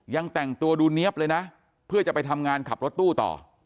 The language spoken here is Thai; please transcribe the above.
ยังแต่งตัวดูเนี๊ยบเลยนะเพื่อจะไปทำงานขับรถตู้ต่อ